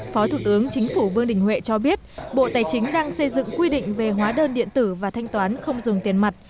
phó thủ tướng chính phủ vương đình huệ cho biết bộ tài chính đang xây dựng quy định về hóa đơn điện tử và thanh toán không dùng tiền mặt